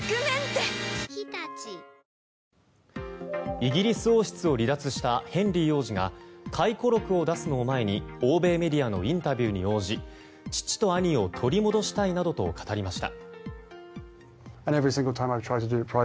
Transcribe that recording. イギリス王室を離脱したヘンリー王子が回顧録を出すのを前に欧米メディアのインタビューに応じ父と兄を取り戻したいなどと語りました。